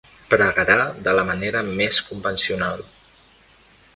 Pregarà de la manera més convencional.